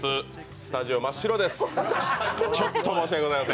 スタジオ真っ白でございます。